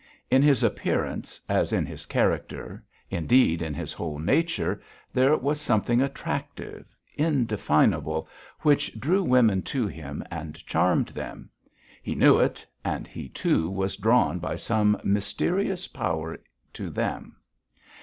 In his appearance as in his character, indeed in his whole nature, there was something attractive, indefinable, which drew women to him and charmed them; he knew it, and he, too, was drawn by some mysterious power to them.